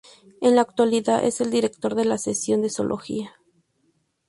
En la actualidad es el director de la Sección de Sociología.